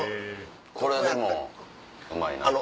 これでもうまいな。